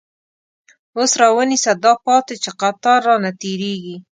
اوس راونیسه داپاتی، چی قطار رانه تير یږی